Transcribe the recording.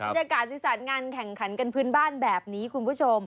อากาศสีสันงานแข่งขันกันพื้นบ้านแบบนี้คุณผู้ชม